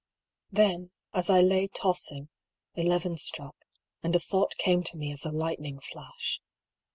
" Then, as I lay tossing, eleven struck, and a thought came to me as a lightning flash.